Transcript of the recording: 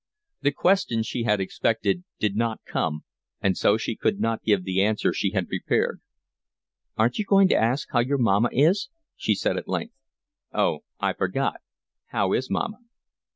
The question she had expected did not come, and so she could not give the answer she had prepared. "Aren't you going to ask how your mamma is?" she said at length. "Oh, I forgot. How is mamma?"